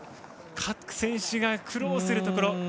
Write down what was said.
各選手が苦労するところ。